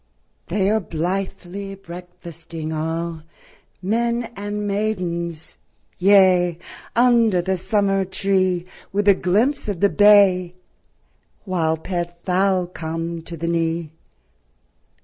They are blithely breakfasting allŌĆö Men and maidensŌĆöyea, Under the summer tree, With a glimpse of the bay, While pet fowl come to the knee